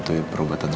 tapi aku salah